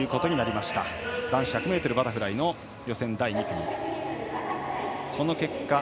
男子１００ｍバタフライ予選第２組。